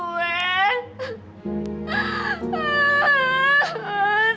lo teka banget tinggalin gue